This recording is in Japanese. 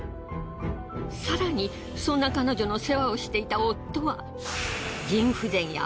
更にそんな彼女の世話をしていた夫は。